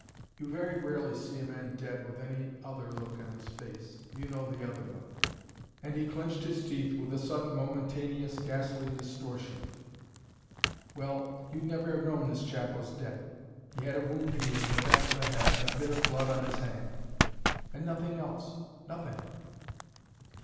"You very rarely see a man dead with any other look on his face you know the other look. " And he clenched his teeth with a sudden, momentaneous, ghastly distortion. "Well, you'd never have known this chap was dead. He had a wound here in the back of the head and a bit of blood on his hand and nothing else, nothing.